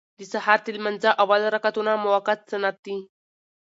د سهار د لمانځه اول رکعتونه مؤکد سنت دي.